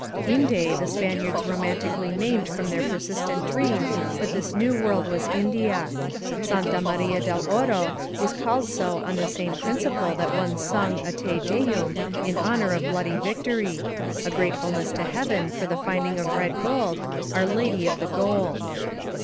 Inde, the Spaniards romantically named from their persistent dream that this new world was India ; Santa Maria del Oro was called so on the same principle that one sung a Te Deiim in honor of bloody victory — a grateful ness to heaven for the finding of red gold. Our Lady of the Gold.